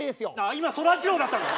今そらジローだったの？